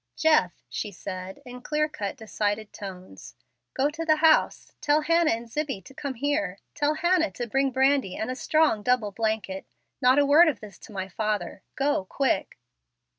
"Jeff," she said, in clear cut, decided tones, "go to the house, tell Hannah and Zibbie to come here; tell Hannah to bring brandy and a strong double blanket. Not a word of this to my father. Go, quick."